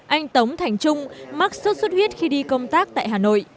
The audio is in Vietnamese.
anh tống thành trung mắc sốt xuất huyết khi đi công tác tại hà nội